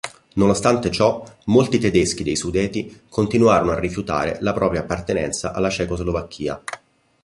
Nonostante ciò molti tedeschi dei Sudeti continuarono a rifiutare la propria appartenenza alla Cecoslovacchia.